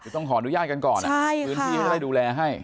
ต้องขออนุญาตกันก่อนคือพี่ให้ดูแลให้